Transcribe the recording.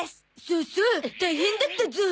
そうそう大変だったゾ。